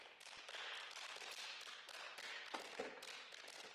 Tento plž se jinak vyskytuje spíš v jižní Evropě.